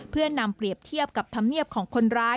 เพื่อนำเปรียบเทียบกับธรรมเนียบของคนร้าย